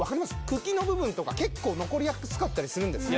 茎の部分とか結構残りやすかったりするんです